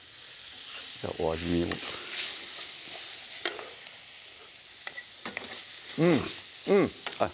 じゃあお味見をうんうんあっ